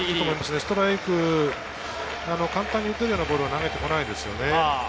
ストライク、簡単に打てるようなボールは投げてこないですよね。